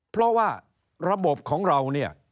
เพราะว่าระบบของเรา